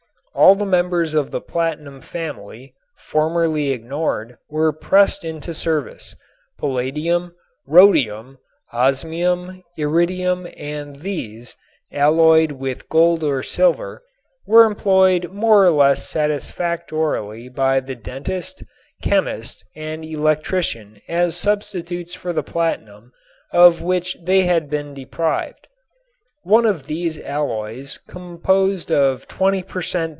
All the members of the platinum family, formerly ignored, were pressed into service, palladium, rhodium, osmium, iridium, and these, alloyed with gold or silver, were employed more or less satisfactorily by the dentist, chemist and electrician as substitutes for the platinum of which they had been deprived. One of these alloys, composed of 20 per cent.